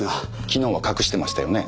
昨日は隠してましたよね